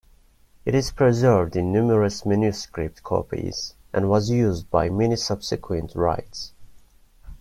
It is preserved in numerous manuscript copies and was used by many subsequent writes.